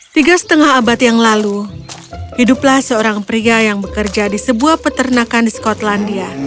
tiga setengah abad yang lalu hiduplah seorang pria yang bekerja di sebuah peternakan di skotlandia